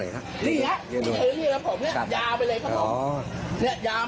นี่ฮะนี่ครับผมเนี้ยยาไปเลยครับผมอ๋อเนี้ยยาไหมฮะครับ